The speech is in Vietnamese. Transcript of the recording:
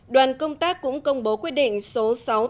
đoàn công tác cũng công bố quyết định số sáu trăm tám mươi